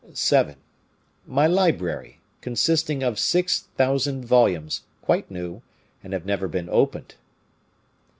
"7. My library, consisting of six thousand volumes, quite new, and have never been opened.